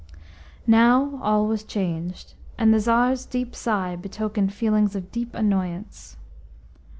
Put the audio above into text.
Now all was changed, and the Tsar's deep sigh betokened feelings of deep annoyance.